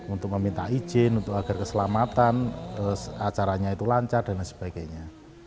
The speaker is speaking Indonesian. untuk meminta izin agar keselamatan acaranya itu lancar dan lain sebagainya